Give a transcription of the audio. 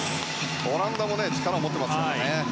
オランダも力を持っていますからね。